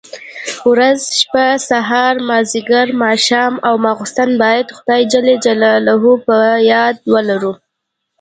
ورځ، شپه، سهار، ماځيګر، ماښام او ماخستن بايد خداى جل جلاله په ياد ولرو.